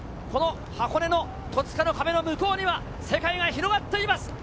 この箱根の戸塚の壁の向こうには世界が広がっています。